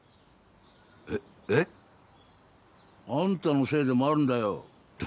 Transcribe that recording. ええっ？あんたのせいでもあるんだよ。